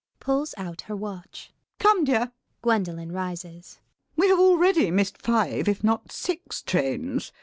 [Pulls out her watch.] Come, dear, [Gwendolen rises] we have already missed five, if not six, trains.